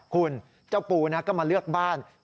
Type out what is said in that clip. คุณเจ้าปูนะก็มาเลือกบ้าน